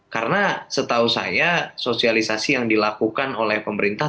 karena setahu saya sosialisasi yang dilakukan oleh pemerintah